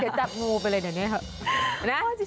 จะจับงูไปเลยเดี๋ยวนี้เหรอ